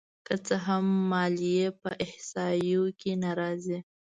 که څه هم ماليې په احصایو کې نه راځي